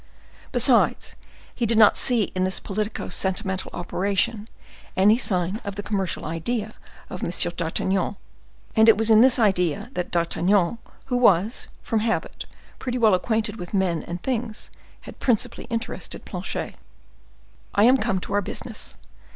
Besides, he did not see in this politico sentimental operation any sign of the commercial idea of M. d'Artagnan, and it was in this idea that D'Artagnan, who was, from habit, pretty well acquainted with men and things, had principally interested Planchet. "I am come to our business.